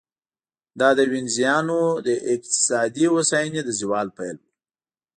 دا د وینزیانو د اقتصادي هوساینې د زوال پیل و.